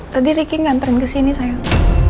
tadi riki nganterin kesini sayang